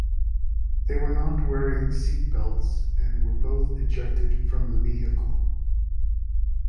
They were not wearing seat belts and were both ejected from the vehicle.